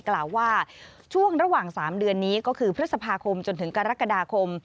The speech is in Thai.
กล่าวว่าช่วงระหว่าง๓เดือนนี้ก็คือพฤษภาคมจนถึงกรกฎาคม